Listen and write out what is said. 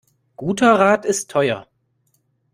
Guter Rat ist teuer.